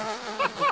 ハハハ！